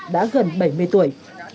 đã gần bảy mươi tuổi